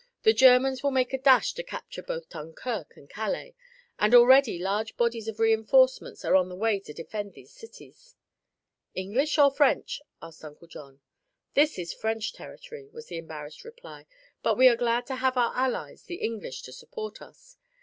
"The Germans will make a dash to capture both Dunkirk and Calais, and already large bodies of reinforcements are on the way to defend these cities." "English, or French?" asked Uncle John. "This is French territory," was the embarrassed reply, "but we are glad to have our allies, the English, to support us.